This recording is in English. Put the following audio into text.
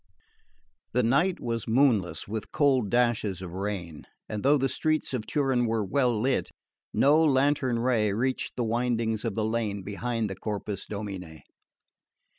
3. The night was moonless, with cold dashes of rain, and though the streets of Turin were well lit no lantern ray reached the windings of the lane behind the Corpus Domini.